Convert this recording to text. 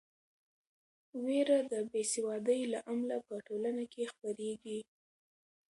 وېره د بې سوادۍ له امله په ټولنه کې خپریږي.